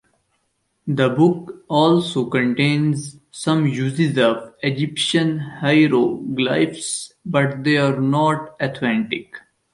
The book also contains some uses of Egyptian hieroglyphs, but they are not authentic.